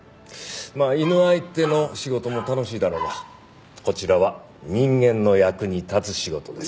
まあ犬相手の仕事も楽しいだろうがこちらは人間の役に立つ仕事です。